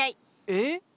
えっ？